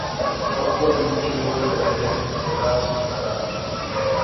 Fue autor de muchos libros de Ajedrez, centrados en las aperturas.